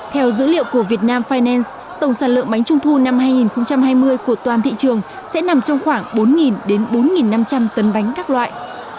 theo dữ liệu của việt nam finance tổng sản lượng bánh trung thu năm hai nghìn hai mươi của toàn thị trường sẽ nằm trong khoảng bốn đến bốn năm trăm linh tấn bánh các loại